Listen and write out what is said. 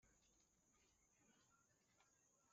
ko benshi bamaze gupfa